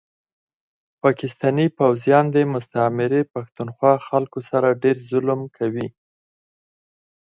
پاکستاني پوځيان دي مستعمري پښتونخوا خلکو سره ډير ظلم کوي